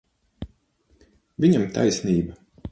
Viņam taisnība.